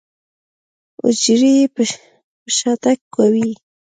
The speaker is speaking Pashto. حجرې يې په شاتګ کوي.